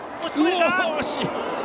惜しい。